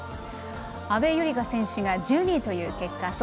阿部友里香選手が１２位という結果。